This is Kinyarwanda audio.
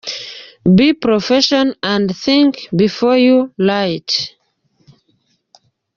be professionals and think before you write.